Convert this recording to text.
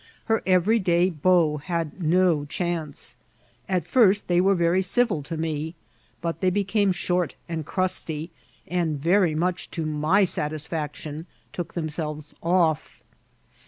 Her every day beaux had no chance. At first they were very civil to me, but they became short and crusty, and, very much •to my satis£BU!tion, took themselves off.